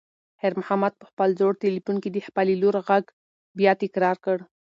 خیر محمد په خپل زوړ تلیفون کې د خپلې لور غږ بیا تکرار کړ.